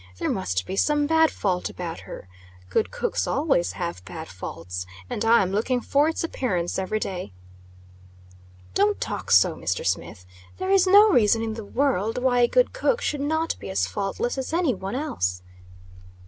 There must be some bad fault about her good cooks always have bad faults and I am looking for its appearance every day." "Don't talk so, Mr. Smith. There is no reason in the world why a good cook should not be as faultless as any one else."